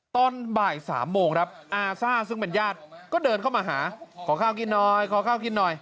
ตอนบ่าย๓โมงครับอาซ่าซึ่งเป็นญาติก็เดินเข้ามาหาขอข้าวกินหน่อยขอข้าวกินหน่อย